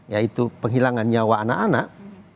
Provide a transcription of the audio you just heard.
yaitu penghilangan nyawa anak anak